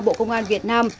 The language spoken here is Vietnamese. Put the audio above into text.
bộ công an việt nam